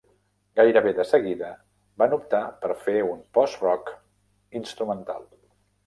Gairebé de seguida van optar per fer un postrock instrumental.